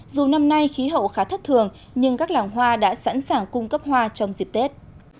dù năm nay khí hậu khá thất thường nhưng các làng hoa đã sẵn sàng cung cấp hoa trong dịp tết